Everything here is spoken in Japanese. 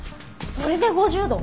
それで５０度！